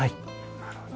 なるほど。